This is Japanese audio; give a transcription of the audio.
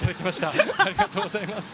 ありがとうございます。